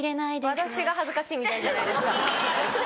私が恥ずかしいみたいじゃないですか。